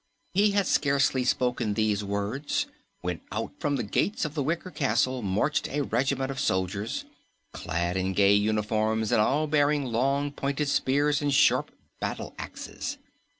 He had scarcely spoken these words when out from the gates of the wicker castle marched a regiment of soldiers, clad in gay uniforms and all bearing long, pointed spears and sharp battle axes.